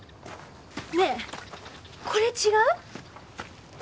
ねえこれ違う？